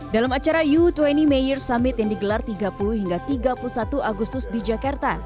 dalam acara u dua puluh mayor summit yang digelar tiga puluh hingga tiga puluh satu agustus di jakarta